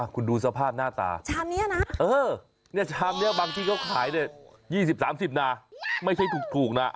คุณดูสภาพหน้าตาชามนี้นะบางที่เขาขายได้๒๐๓๐บาทนะไม่ใช่ถูกนะ